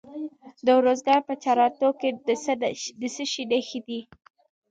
د ارزګان په چنارتو کې د څه شي نښې دي؟